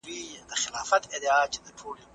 مور د ماشوم د تبه څارنه کوي.